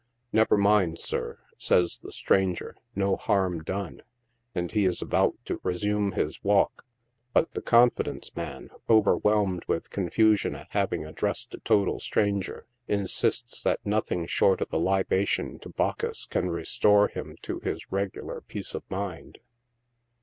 " Never mind, sir," says the stranger ; "no harm done," and he is about to resume his walk, but the confidence man, overwhelmed with confusion at having addressed a total stran ger, insists that nothing short of a libation to Bacchus can restore him to his regular peace of mind.